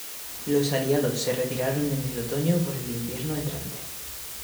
Los aliados se retiraron en el otoño por el invierno entrante.